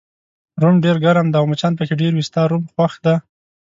روم ډېر ګرم دی او مچان پکې ډېر وي، ستا روم خوښ دی؟